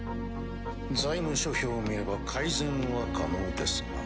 財務諸表を見れば改善は可能ですが。